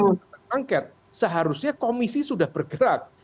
karena kalau mereka diangket seharusnya komisi sudah bergerak